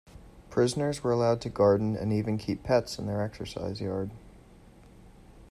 Prisoners were allowed to garden and even keep pets in their exercise yards.